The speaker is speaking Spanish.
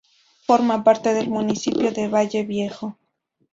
Forma parte del municipio de Valle Viejo.